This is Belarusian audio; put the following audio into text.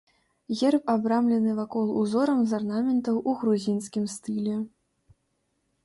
Герб абрамлены вакол узорам з арнаментаў у грузінскім стылі.